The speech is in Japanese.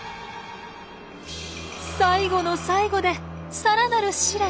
最後の最後でさらなる試練。